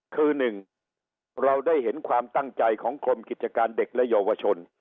คือหนึ่งเราได้เห็นความตั้งใจของกรมกิจการเด็กและเยาวชน